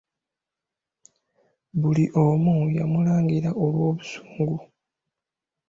Buli omu yamulangira olw'obusungu.